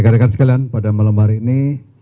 rekan rekan sekalian pada melembar ini